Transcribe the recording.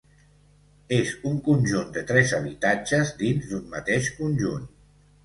És un conjunt de tres habitatges dins d'un mateix conjunt.